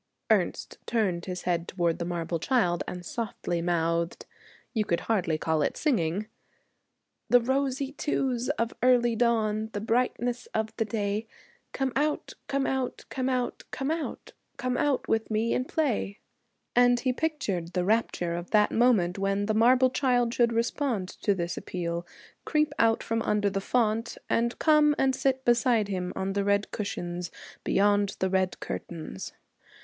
Ernest turned his head towards the marble child and softly mouthed, you could hardly call it singing, 'The rosy tews of early dawn, The brightness of the day; Come out, come out, come out, come out, Come out with me and play.' And he pictured the rapture of that moment when the marble child should respond to this appeal, creep out from under the font, and come and sit beside him on the red cushions beyond the red curtains.